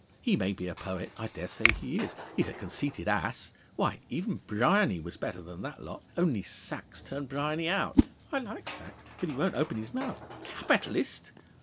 He may be a poet. I dare say he is. He's a conceited ass. Why, even Bryany was better than that lot. Only Sachs turned Bryany out. I like Sachs. But he won't open his mouth.... 'Capitalist!